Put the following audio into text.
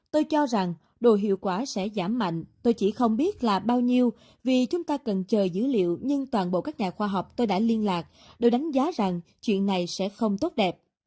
tôi cho rằng đồ hiệu quả sẽ giảm mạnh tôi chỉ không biết là bao nhiêu vì chúng ta cần chờ dữ liệu nhưng toàn bộ các nhà khoa học tôi đã liên lạc đều đánh giá rằng chuyện này sẽ không tốt đẹp